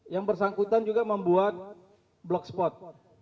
yang bersangkutan juga membuat blogspot